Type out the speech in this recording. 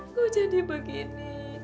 gua jadi begini